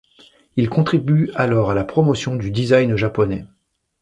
Il contribue alors à la promotion du design japonais.